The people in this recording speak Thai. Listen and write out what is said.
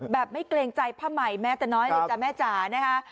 ไม่เกรงใจผ้าใหม่แม้แต่น้อยเลยจ้ะแม่จ๋านะคะ